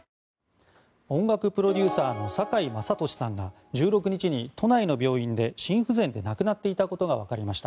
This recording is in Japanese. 音楽プロデューサーの酒井政利さんが１６日に都内の病院で心不全で亡くなっていたことが分かりました。